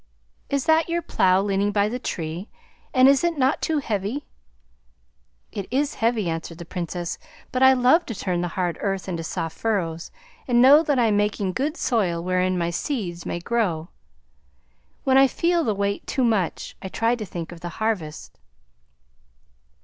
"Is that your plough leaning by the tree, and is it not too heavy?" "It is heavy," answered the Princess, "but I love to turn the hard earth into soft furrows and know that I am making good soil wherein my seeds may grow. When I feel the weight too much, I try to think of the harvest."